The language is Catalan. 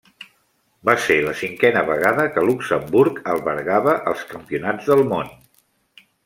Va ser la cinquena vegada que Luxemburg albergava els campionats del món.